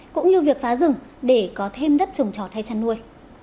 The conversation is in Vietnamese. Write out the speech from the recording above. cũng như việc phá rừng để có thêm đất trồng trọt hay chăn nuôi